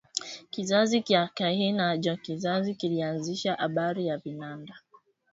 Kizazi kya kahina njo kizazi kilianzisha abari ya vinanda